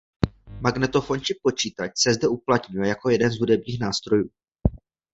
Magnetofon či počítač se zde uplatňuje jako jeden z hudebních nástrojů.